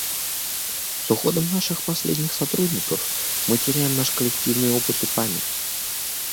С уходом наших последних сотрудников мы теряем наш коллективный опыт и память.